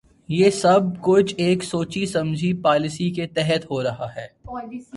یہ سب کچھ ایک سوچی سمجھی پالیسی کے تحت ہو رہا ہے۔